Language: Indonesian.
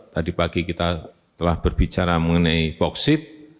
tadi pagi kita telah berbicara mengenai boksit